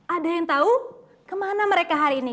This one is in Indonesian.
ada yang tahu kemana mereka hari ini